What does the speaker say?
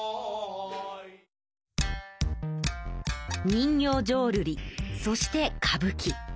人形浄瑠璃そして歌舞伎。